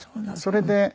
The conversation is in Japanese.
それで。